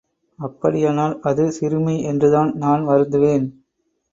அப்படியானால், அது சிறுமை என்றுதான் நான் வருந்துவேன்.